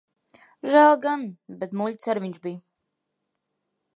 Žēl gan. Bet muļķis ar viņš bij.